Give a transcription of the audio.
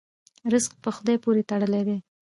رزق په خدای پورې تړلی دی.